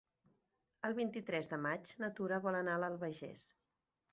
El vint-i-tres de maig na Tura vol anar a l'Albagés.